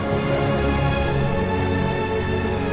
kamu mau mau nasional